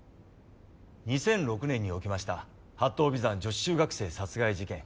２００６年に起きました八頭尾山女子中学生殺害事件。